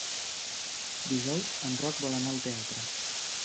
Dijous en Roc vol anar al teatre.